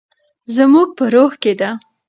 زموږ په روح کې ده.